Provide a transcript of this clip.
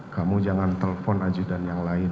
kamu jangan telpon aja dan yang lain